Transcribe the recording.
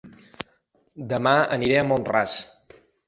Dema aniré a Mont-ras